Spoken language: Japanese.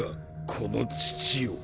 この父を。